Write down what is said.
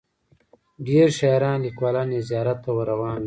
ډیر شاعران لیکوالان یې زیارت ته ور روان وي.